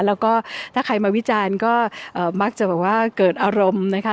แล้วก็ถ้าใครมาวิจารณ์ก็มักจะแบบว่าเกิดอารมณ์นะคะ